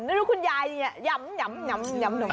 ดูคุณยายอย่างนี้ยำนมจีน